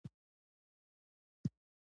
احمد اوس يو بهلول يو کچکول شوی دی.